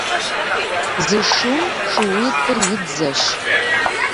Зы шум шууитӀыр и дзэщ.